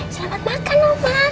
selamat makan omak